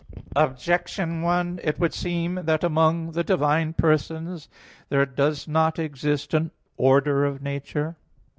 Objection 1: It would seem that among the divine persons there does not exist an order of nature.